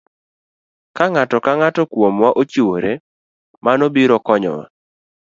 Ka ng'ato ka ng'ato kuomwa ochiwore, mano biro konyowa.